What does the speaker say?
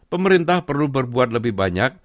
pemerintah perlu berbuat lebih banyak